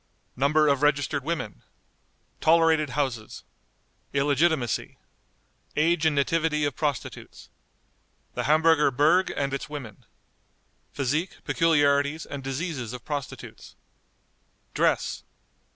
Number of Registered Women. Tolerated Houses. Illegitimacy. Age and Nativity of Prostitutes. The Hamburger Berg and its Women. Physique, Peculiarities, and Diseases of Prostitutes. Dress.